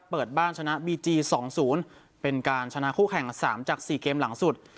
เปิดบ้านชนะบีจี๒๐เป็นการชนะคู่แข่ง๓จาก๔เกมหลังสุด